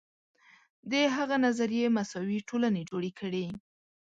د هغه نظریې مساوي ټولنې جوړې کړې.